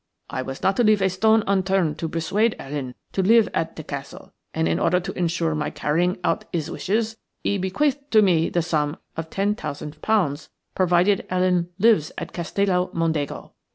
I was not to leave a stone unturned to persuade Helen to live at the castle, and in order to ensure my carrying out his wishes he bequeathed to me the sum of ten thousand pounds provided Helen lives at Castello Mondego.